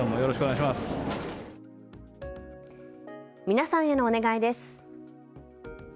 皆さんへのお願いです。